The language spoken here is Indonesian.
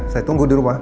saya tunggu di rumah